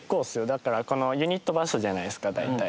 だからこのユニットバスじゃないですか大体。